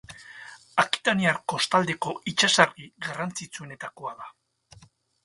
Akitaniar kostaldeko itsasargi garrantzitsuenetakoa da.